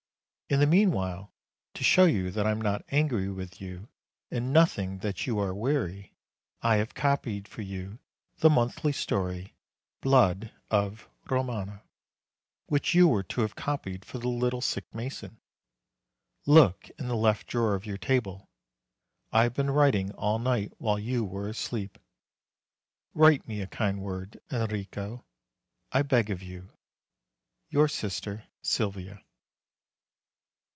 In the meanwhile, to show you that I am not angry with you, and noting that you are weary, I have copied for you the monthly story, Blood of Romagna, which you were to have copied for the little sick mason. Look in the left drawer of your table; I have been writing all night, while you were asleep. Write me a kind word, Enrico, I beg of you. YOUR SISTER SYLVIA.